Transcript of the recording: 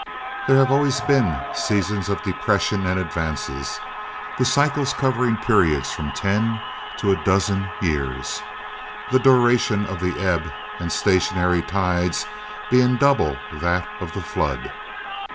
There have always been seasons of depression and advances, the cycles covering periods of ten to a dozen years, the duration of the ebb and stationary tides being double that of the flood.